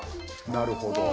なるほど。